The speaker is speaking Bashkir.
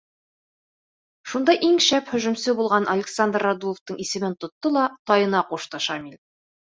Шунда иң шәп һөжүмсе булған Александр Радуловтың исемен тотто ла тайына ҡушты Шамил.